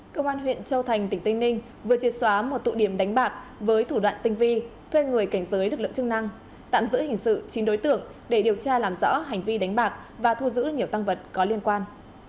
công an huyện châu thành tỉnh tây ninh vừa triệt xóa một tụ điểm đánh bạc với thủ đoạn tinh vi thuê người cảnh giới lực lượng chức năng tạm giữ hình sự chín đối tượng để điều tra làm rõ hành vi đánh bạc và thu giữ nhiều tăng vật có liên quan